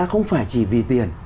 không phải chỉ vì tiền